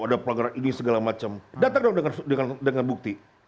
ada program ini segala macam datang dong dengan bukti